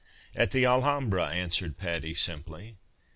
" At the Alhambra," answered Patty, simply.